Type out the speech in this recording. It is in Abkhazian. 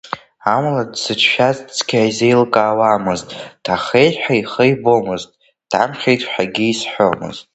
Амала дзыцәшәаз цқьа изеилкаауамызт, дҭахеит ҳәа ихы ибомызт, дҭамхеит ҳәагьы изҳәомызт.